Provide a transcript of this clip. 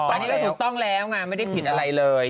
อันนี้ก็ถูกต้องแล้วไงไม่ได้ผิดอะไรเลย